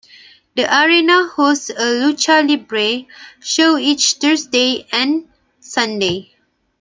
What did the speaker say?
The arena hosts a lucha libre show each Thursday and Sunday.